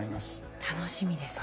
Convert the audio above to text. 楽しみですね。